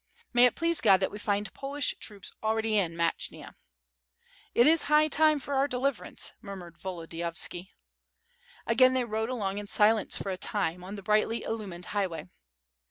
May it please God that we find Polish troops already in Matchyna." "It is high time for our deliverance," murmured Volodi yovski. Again they rode along in silence for a time, on the brightly illumined highway.